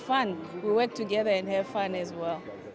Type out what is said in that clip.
dan juga bersama sama bersama sama